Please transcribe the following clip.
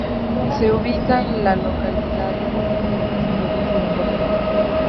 Se ubica en la localidad de Las Higueras, provincia de Córdoba.